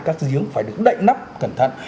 các giếng phải đứng đậy nắp cẩn thận